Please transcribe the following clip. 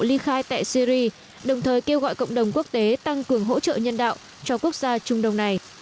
ly khai tại syri đồng thời kêu gọi cộng đồng quốc tế tăng cường hỗ trợ nhân đạo cho quốc gia trung đông này